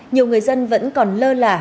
nhiều người dân vẫn còn lơ lả